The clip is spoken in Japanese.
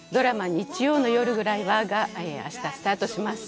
「日曜の夜ぐらいは」があしたスタートします。